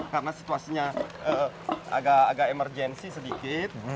karena situasinya agak emergensi sedikit